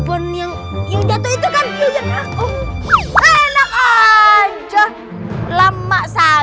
enak aja lama saja